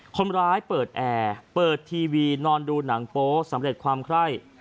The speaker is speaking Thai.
คนร้ายเปิดแอร์เปิดทีวีนอนดูหนังโป๊สำเร็จความไคร่